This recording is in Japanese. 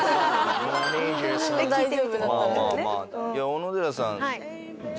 小野寺さん。